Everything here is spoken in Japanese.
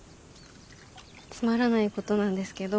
つまらないことなんですけど。